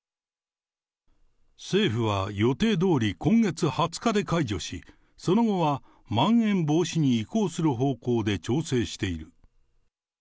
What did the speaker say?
政府は予定どおり今月２０日で解除し、その後はまん延防止に移行する方向で調整している。